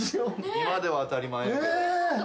今では当たり前やけど。